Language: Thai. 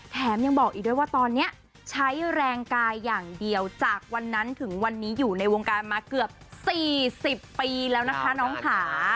แถมยังบอกอีกด้วยว่าตอนนี้ใช้แรงกายอย่างเดียวจากวันนั้นถึงวันนี้อยู่ในวงการมาเกือบ๔๐ปีแล้วนะคะน้องค่ะ